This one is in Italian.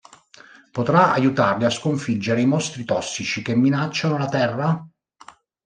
Potrà aiutarli a sconfiggere i mostri tossici che minacciano la Terra?